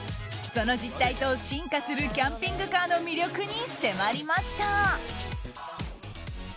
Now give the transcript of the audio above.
その実態と進化するキャンピングカーの魅力に迫りました。